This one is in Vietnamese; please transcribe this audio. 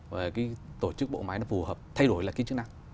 và cái tổ chức bộ máy nó phù hợp thay đổi là cái chức năng